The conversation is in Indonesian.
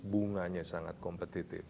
bunganya sangat kompetitif